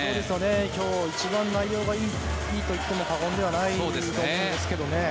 今日、一番内容がいいといっても過言ではないと思います。